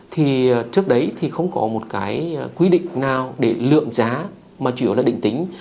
thì trước đấy thì không có một cái quy định nào để lượng giá mà chủ yếu là định tính